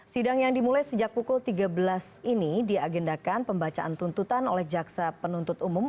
sidang yang dimulai sejak pukul tiga belas ini diagendakan pembacaan tuntutan oleh jaksa penuntut umum